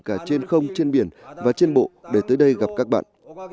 cả trên không trên biển và trên bộ để tới đây gặp các bạn